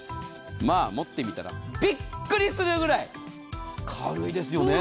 持ってみたらびっくりするぐらい軽いですよね。